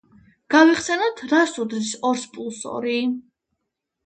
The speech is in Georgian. გავიხსენოთ რას უდრის ორს პლუს ორი?